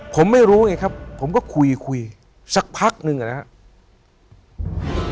ผมไม่รู้ไงครับผมก็คุยคุยสักพักหนึ่งนะครับ